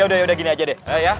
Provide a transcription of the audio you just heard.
ya udah ya udah gini aja deh